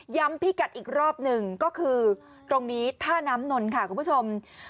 พี่กัดอีกรอบหนึ่งก็คือตรงนี้ท่าน้ำนนท์ค่ะคุณผู้ชม